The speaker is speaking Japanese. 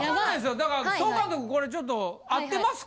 だから総監督これちょと合ってますか？